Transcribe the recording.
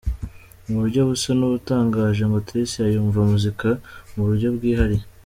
Mu buryo busa n’ubutangaje ngo Tricia yumva muzika mu buryo bwihariye.